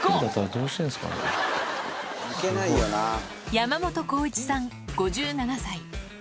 山本光一さん５７歳。